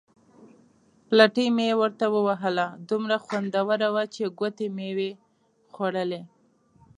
پلتۍ مې ورته ووهله، دومره خوندوره وه چې ګوتې مې وې خوړلې.